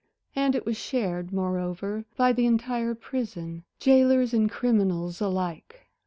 And it was shared, moreover, by the entire prison, jailers and criminals alike.